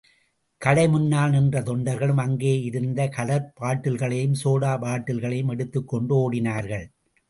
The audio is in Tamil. கடைமுன்னால் நின்ற தொண்டர்களும், அங்கே இருந்த கலர் பாட்டில்களையும், சோடா பாட்டில்களையும் எடுத்துக் கொண்டு ஓடினார்கள்.